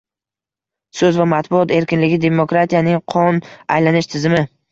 So‘z va matbuot erkinligi — demokratiyaning qon aylanish tizimi